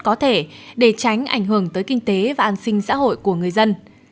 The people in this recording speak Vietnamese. có thể để tránh ảnh hưởng tới kinh tế và an sinh xã hội của người dân